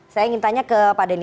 saya ingin tanya ke pak denn